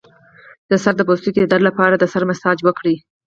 د سر د پوستکي د درد لپاره د سر مساج وکړئ